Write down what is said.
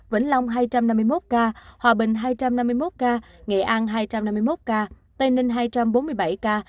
vĩnh long hai trăm năm mươi một ca hòa bình hai trăm năm mươi một ca nghệ an hai trăm năm mươi một ca tây ninh hai trăm bốn mươi bảy ca